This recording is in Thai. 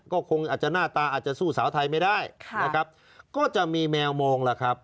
ก็คงอาจจะหน้าตาอาจจะสู้สาวไทยไม่ได้นะครับก็จะมีแมวมองล่ะครับ